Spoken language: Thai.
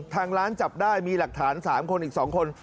ทางร้านจับได้มีหลักฐาน๓คนอีก๒คน